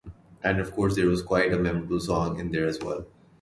And of course, there was quite a memorable song in there as well.